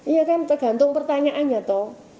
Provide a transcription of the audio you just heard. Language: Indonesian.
iya kan tergantung pertanyaannya toh